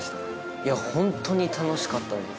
いや本当に楽しかったです。